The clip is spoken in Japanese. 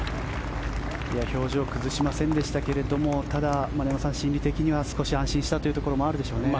表情崩しませんでしたけどもただ、丸山さん、心理的には少し安心したところもあるでしょうね。